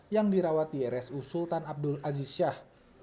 yang dirawat di rsu sultan abdul aziz syah